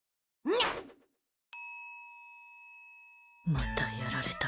また、やられた。